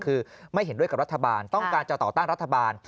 คือไม่เห็นด้วยกับรัฐบาลต้องการจะต่อต้านรัฐบาล